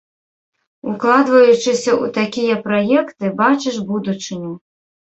Укладваючыся ў такія праекты, бачыш будучыню.